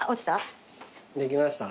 できました？